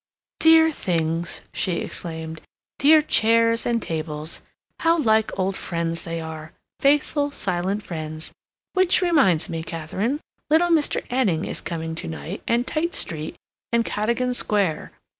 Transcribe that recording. "Dear things!" she exclaimed. "Dear chairs and tables! How like old friends they are—faithful, silent friends. Which reminds me, Katharine, little Mr. Anning is coming to night, and Tite Street, and Cadogan Square....